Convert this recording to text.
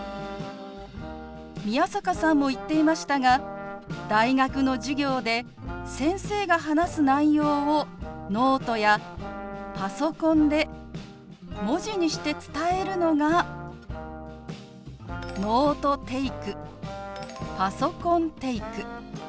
宮坂さんも言っていましたが大学の授業で先生が話す内容をノートやパソコンで文字にして伝えるのが「ノートテイク」「パソコンテイク」。